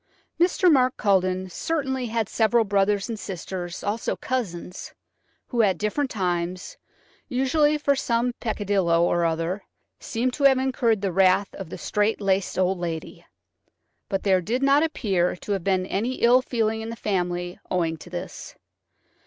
Mr. Mark Culledon certainly had several brothers and sisters, also cousins, who at different times–usually for some peccadillo or other–seemed to have incurred the wrath of the strait laced old lady. But there did not appeal to have been any ill feeling in the family owing to this.